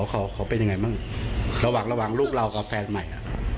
ขอขอเป็นยังไงบ้างระหว่างลูกเรากับแฟนใหม่